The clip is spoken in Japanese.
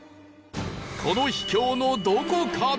この秘境のどこかで